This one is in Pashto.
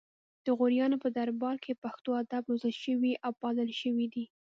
د غوریانو په دربار کې پښتو ادب روزل شوی او پالل شوی دی